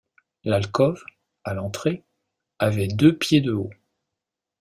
L’alcôve, à l’entrée, avait deux pieds de haut.